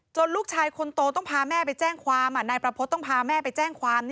ลูกชายคนโตต้องพาแม่ไปแจ้งความนายประพฤติต้องพาแม่ไปแจ้งความ